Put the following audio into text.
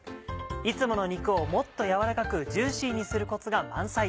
いつもの肉をもっとやわらかくジューシーにするコツが満載。